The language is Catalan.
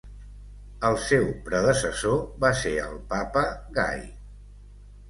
El seu predecessor va ser el papa Gai.